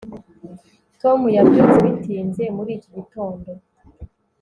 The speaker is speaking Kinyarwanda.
Tom yabyutse bitinze muri iki gitondo